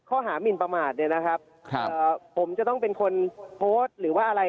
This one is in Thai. หมินประมาทเนี่ยนะครับผมจะต้องเป็นคนโพสต์หรือว่าอะไร